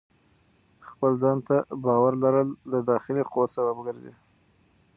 خپل ځان ته باور لرل د داخلي قوت سبب ګرځي.